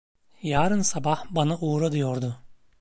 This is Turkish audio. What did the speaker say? Yarın sabah bana uğra diyordu.